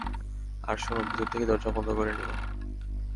আর শুনো, ভিতর থেকে দরজা বন্ধ করে নাও।